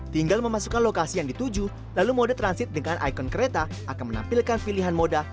tinggal memasukkan lokasi yang dituju lalu mode transit dengan ikon kereta akan menampilkan pilihan moda